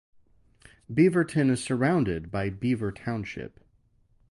Beavertown is surrounded by Beaver Township.